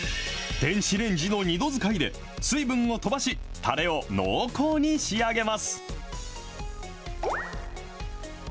電子レンジの２度使いで、水分を飛ばし、たれを濃厚に仕上げます。